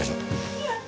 いや。